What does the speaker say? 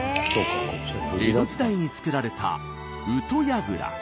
江戸時代に造られた宇土櫓。